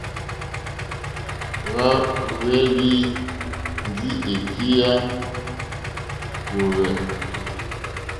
Hwá ŋwèyélì ndí èkí yá hwōhwê.